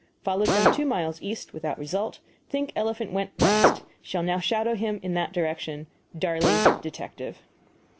Followed them two miles east without result; think elephant went west. Shall now shadow him in that direction. DARLEY, Detective.